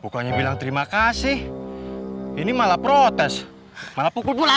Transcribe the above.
bukannya bilang terima kasih ini malah protes malah pukul bulan